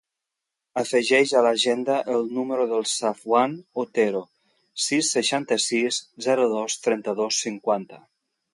Afegeix a l'agenda el número del Safwan Otero: sis, seixanta-sis, zero, dos, trenta-dos, cinquanta.